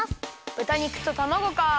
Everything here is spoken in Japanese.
ぶた肉とたまごか。